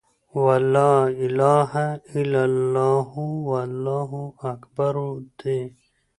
وَلَا إِلَهَ إلَّا اللهُ، وَاللهُ أكْبَرُ دي .